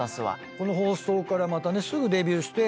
この放送からまたねすぐデビューして。